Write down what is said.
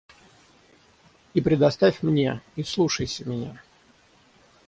И предоставь мне, и слушайся меня.